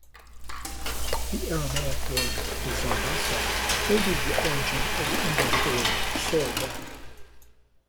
The Aramaic word 'zardasa' may be the origin of the English word 'sorb'.